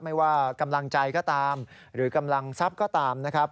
ไม่ว่ากำลังใจก็ตามหรือกำลังทรัพย์ก็ตามนะครับ